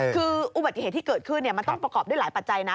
คืออุบัติเหตุที่เกิดขึ้นมันต้องประกอบด้วยหลายปัจจัยนะ